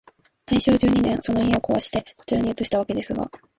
大正十二年、その家をこわして、こちらに移したわけですが、